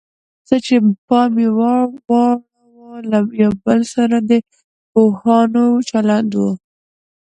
څه چې پام یې واړاوه له یو بل سره د پوهانو چلند و.